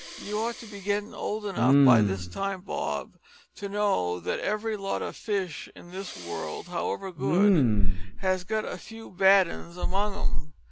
You ought to be gittin' old enough by this time, Bob, to know that every lot o' fish in this world, however good, has got a few bad uns among 'em.